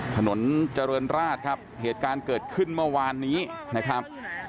ถนนเจริญราชครับเหตุการณ์เกิดขึ้นเมื่อวานนี้นะครับ